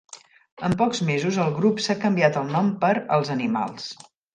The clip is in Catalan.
En pocs mesos el grup s'ha canviat el nom per "els animals".